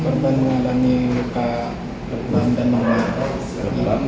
korban mengalami muka berbahan dan mengalami